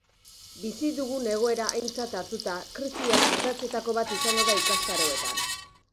Bizi dugun egoera aintzat hartuta, krisia ardatzetako bat izango da ikastaroetan.